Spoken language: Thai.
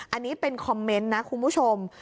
อันนี้เป็นคอมเมนต์นะคุณผู้ชม